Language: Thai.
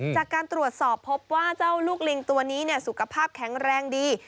จากการตรวจสอบพบว่าเจ้าลูกลิงตัวนี้สุขภาพแข็งแรงดี